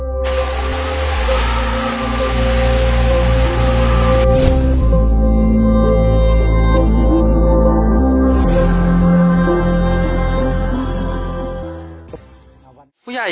สนุกอย่างอิสระอจมูลกับโรงงานที่น่าเกิด